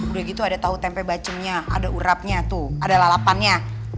udah gitu ada tahu tempe bacemnya ada urapnya tuh ada lalapannya